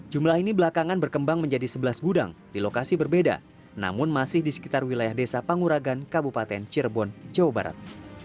jumlah ini belakangan berkembang menjadi sebelas gudang di lokasi berbeda namun masih di sekitar wilayah desa panguragan kabupaten cirebon jawa barat